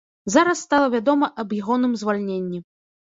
Зараз стала вядома аб ягоным звальненні.